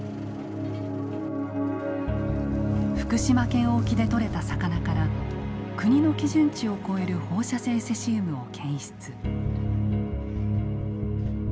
福島県沖で取れた魚から国の基準値を超える放射性セシウムを検出。